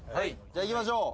じゃあいきましょう。